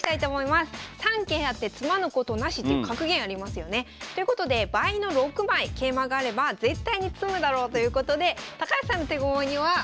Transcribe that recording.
「３桂あって詰まぬことなし」っていう格言ありますよね。ということで倍の６枚桂馬があれば絶対に詰むだろうということで高橋さんの手駒には普通の将棋プラス。